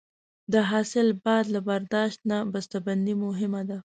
د حاصل بعد له برداشت نه بسته بندي مهمه ده.